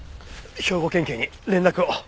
兵庫県警に連絡を。